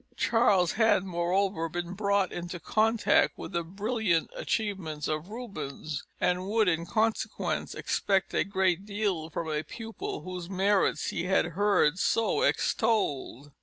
Charles had, moreover, been brought into contact with the brilliant achievements of Rubens, and would in consequence expect a great deal from a pupil whose merits he had heard so extolled.